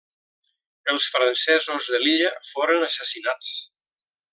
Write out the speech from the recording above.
Els francesos de l'illa foren assassinats.